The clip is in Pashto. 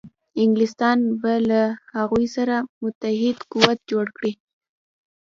انګلیسیان به له هغوی سره متحد قوت جوړ کړي.